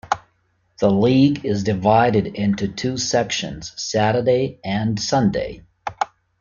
The league is divided into two sections: Saturday and Sunday.